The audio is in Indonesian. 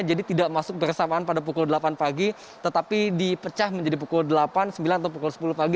jadi tidak masuk bersamaan pada pukul delapan pagi tetapi dipecah menjadi pukul delapan sembilan atau pukul sepuluh pagi